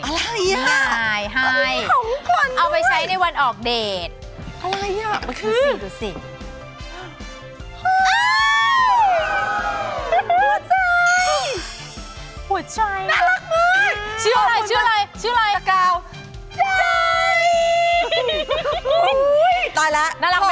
อะไรอ่ะของขวัญด้วยเอาไปใช้ในวันออกเดทอะไรอ่ะดูสิดูสิ